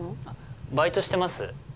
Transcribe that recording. あっバイトしてます。